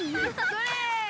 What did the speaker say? それ！